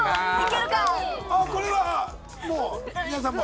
あっこれはもう皆さんも。